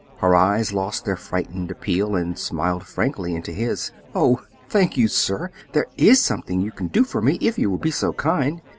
Her eyes lost their frightened appeal, and smiled frankly into his. "Oh, thank you, sir! There IS something you can do for me, if you will be so kind.